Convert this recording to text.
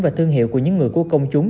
và thương hiệu của những người của công chúng